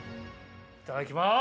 いただきます。